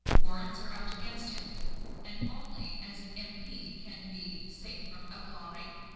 Warrants are out against him; and only as an M.P. can he be safe from outlawry.